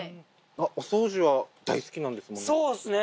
お掃除は大好きなんですもんそうですね。